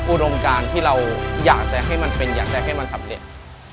อุดมการที่เราอยากจะให้มันเป็นอยากจะให้มันสำเร็จ